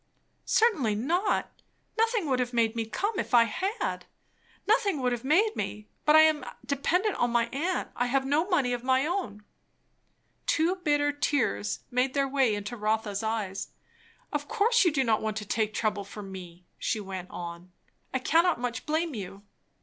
"Certainly not. Nothing would have made me come, if I had. Nothing would have made me! But I am dependent on my aunt. I have no money of my own." Two bitter tears made their way into Rotha's eyes. "Of course you do not want to take trouble for me," she went on. "I cannot much blame you."